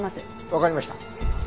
わかりました。